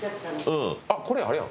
あっこれあるやん。